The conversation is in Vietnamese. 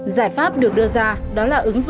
giải pháp được đưa ra đó là ứng pháp